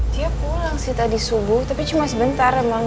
dia pulang sih tadi subuh tapi cuma sebentar emang